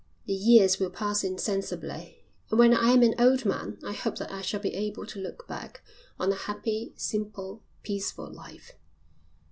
The years will pass insensibly, and when I am an old man I hope that I shall be able to look back on a happy, simple, peaceful life.